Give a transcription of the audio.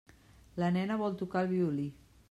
La nena vol tocar el violí.